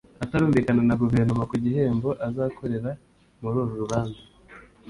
atarumvikana na Guverinoma ku gihembo azakorera muri uru rubanza